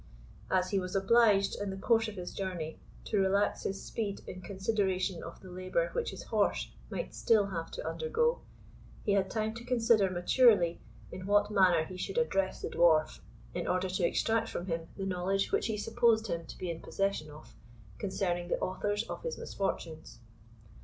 As he was obliged, in the course of his journey, to relax his speed in consideration of the labour which his horse might still have to undergo, he had time to consider maturely in what manner he should address the Dwarf, in order to extract from him the knowledge which he supposed him to be in possession of concerning the authors of his misfortunes.